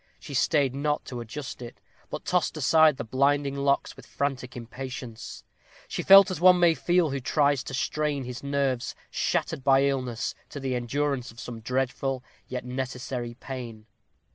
She stayed not to adjust it, but tossed aside the blinding locks with frantic impatience. She felt as one may feel who tries to strain his nerves, shattered by illness, to the endurance of some dreadful, yet necessary pain.